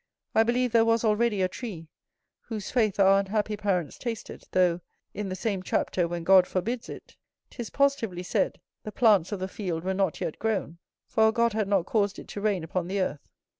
I believe there was already a tree, whose fruit our unhappy parents tasted, though, in the same chapter when God forbids it, 'tis positively said, the plants of the field were not yet grown; for God had not caused it to rain upon the earth.